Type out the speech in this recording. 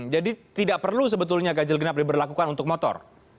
jadi tidak perlu sebetulnya gajil genap diberlakukan untuk motor